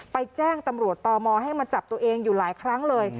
แจ้งตำรวจต่อมอให้มาจับตัวเองอยู่หลายครั้งเลย